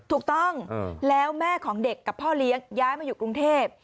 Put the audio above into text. ถูกต้องแล้วแม่ของเด็กกับพ่อเลี้ยงย้ายมาอยู่กรุงเทพ